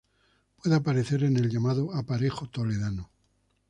Puede aparecer en el llamado Aparejo toledano.